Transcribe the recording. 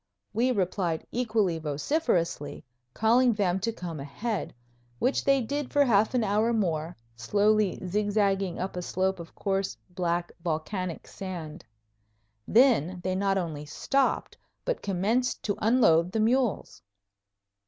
We replied equally vociferously, calling them to come ahead, which they did for half an hour more, slowly zigzagging up a slope of coarse, black volcanic sand. Then they not only stopped but commenced to unload the mules.